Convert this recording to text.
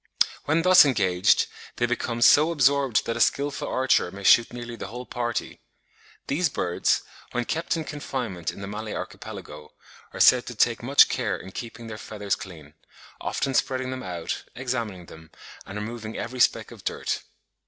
When thus engaged, they become so absorbed that a skilful archer may shoot nearly the whole party. These birds, when kept in confinement in the Malay Archipelago, are said to take much care in keeping their feathers clean; often spreading them out, examining them, and removing every speck of dirt.